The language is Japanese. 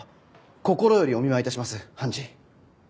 心よりお見舞い致します判事。